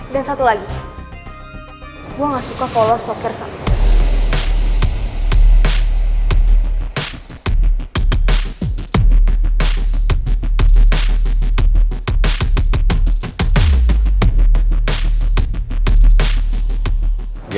dan satu lagi gue gak suka follow stalker sama lo